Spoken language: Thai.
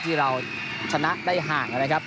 ที่เราชนะได้ห่างนะครับ